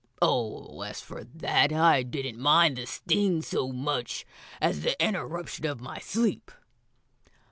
"Oh, as for that, I didn't mind the sting so much as the interruption of my sleep."